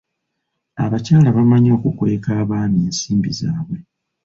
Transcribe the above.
Abakyala bamanyi okukweka abaami ensimbi zaabwe.